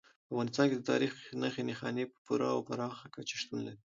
په افغانستان کې د تاریخ نښې نښانې په پوره او پراخه کچه شتون لري.